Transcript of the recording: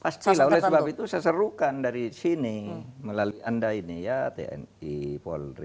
pastilah oleh sebab itu saya serukan dari sini melalui anda ini ya tni polri birokrasi asn harus netral